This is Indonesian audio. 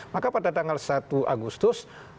maka pada tanggal satu agustus